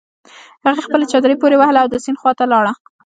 هغې خپله چادري پورې وهله او د سيند خواته لاړه.